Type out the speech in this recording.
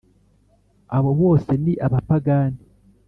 abo bose ni abapagani